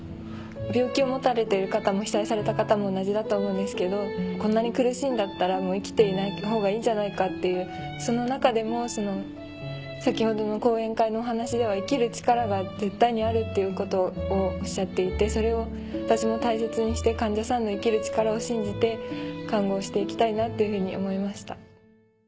病気を持たれてる方も被災された方も同じだと思うんですけどこんなに苦しいんだったらもう生きていないほうがいいんじゃないかっていうその中でも先ほどの講演会のお話では生きる力が絶対にあるっていうことをおっしゃっていてそれを私も大切にして患者さんの生きる力を信じて看護をして行きたいなっていうふうに思いました。